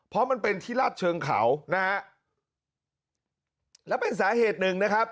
เพราะมันเป็นที่ลาดเชิงเขานะฮะแล้วเป็นสาเหตุหนึ่งนะครับ